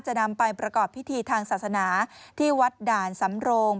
นำไปประกอบพิธีทางศาสนาที่วัดด่านสำโรง